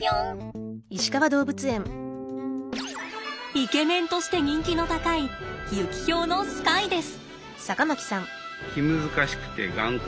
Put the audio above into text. イケメンとして人気の高いユキヒョウのスカイです。